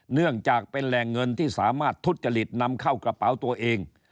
เนื่องจากเป็นแหล่งเงินที่สามารถทุจริตนำเข้ากระเป๋าตัวเอง